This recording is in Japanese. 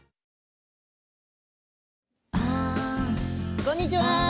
こんにちは。